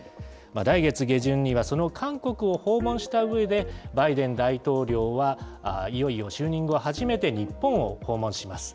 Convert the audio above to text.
来月下旬にはその韓国を訪問したうえで、バイデン大統領は、いよいよ就任後初めて、日本を訪問します。